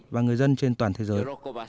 và người dân trên toàn thế giới